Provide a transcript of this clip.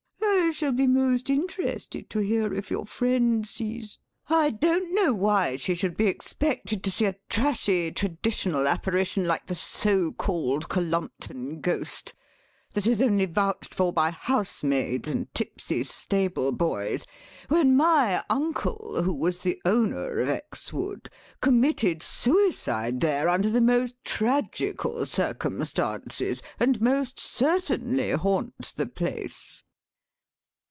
I shall be most interested to hear if your friend sees—" "I don't know why she should be expected to see a trashy, traditional apparition like the so called Cullumpton ghost, that is only vouched for by housemaids and tipsy stable boys, when my uncle, who was the owner of Exwood, committed suicide there under the most tragical circumstances, and most certainly haunts the place."